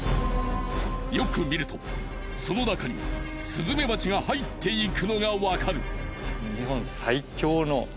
よく見るとその中にスズメバチが入っていくのがわかる。